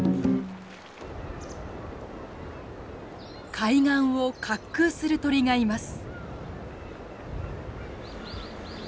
海岸を滑空する鳥がいます。